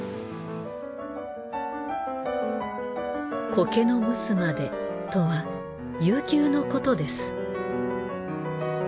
苔のむすまでとは悠久のことです。